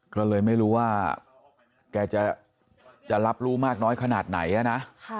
ก็เลยไม่รู้ว่าแกจะรับรู้มากน้อยขนาดไหนนะ